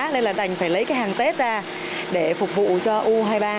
nên là đành phải lấy cái hàng tết ra để phục vụ cho u hai mươi ba